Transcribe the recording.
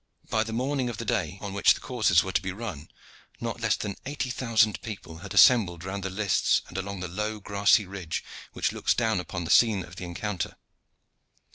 By the morning of the day on which the courses were to be run, not less than eighty people had assembled round the lists and along the low grassy ridge which looks down upon the scene of the encounter.